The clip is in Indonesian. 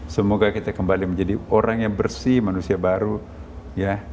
semoga kita kembali menjadi orang yang bersih manusia baru ya